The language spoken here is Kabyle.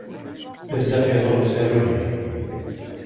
Bezzaf iḍul usaru-nni.